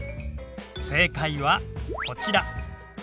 正解はこちら。